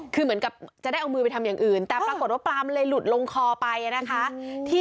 คือเหมือนกับจะได้เอามือไปทำอย่างอื่นแต่ปรากฏว่าปลามันเลยหลุดลงคอไปนะคะ